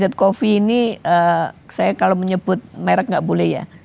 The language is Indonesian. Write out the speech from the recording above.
dead coffee ini saya kalau menyebut merek nggak boleh ya